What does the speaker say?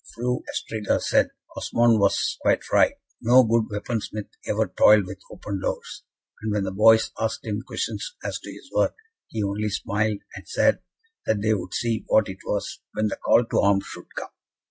Fru Astrida said Osmond was quite right no good weapon smith ever toiled with open doors; and when the boys asked him questions as to his work, he only smiled, and said that they would see what it was when the call to arms should come.